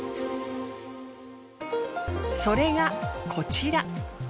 それがこちら。